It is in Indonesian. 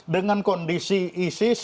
dengan kondisi isis